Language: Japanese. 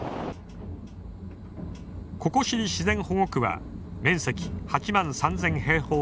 ココシリ自然保護区は面積８万３，０００。